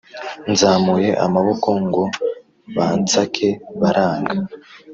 nzamuye amaboko ngo bansake baranga,